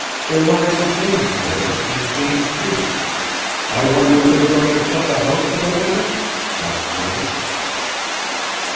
"Eliza Jane's there, and James B. I wonder if they are going to shut the house for the winter?" asked Janet.